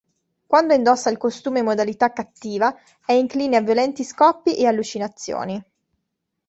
Quando indossa il costume in modalità "cattiva", è incline a violenti scoppi e allucinazioni.